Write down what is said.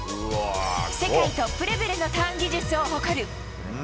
世界トップレベルのターン技術を誇る。